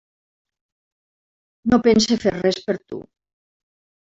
No pense fer res per tu.